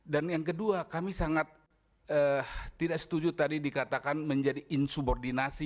dan yang kedua kami sangat tidak setuju tadi dikatakan menjadi insubordinasi